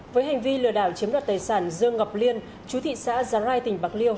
với hành vi lừa đảo chiếm đoạt tài sản dương ngọc liên chú thị xã giáng rai tỉnh bạc liêu